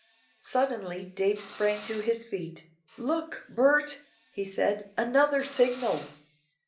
Suddenly Dave sprang to his feet. "Look, Bert," said he, "another signal."